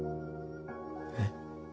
えっ？